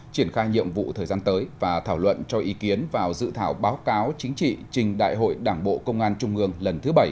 triển khai nhiệm vụ thời gian tới và thảo luận cho ý kiến vào dự thảo báo cáo chính trị trình đại hội đảng bộ công an trung ương lần thứ bảy